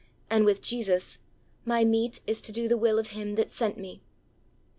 and with Jesus, "My meat is to do the will of Him that sent Me."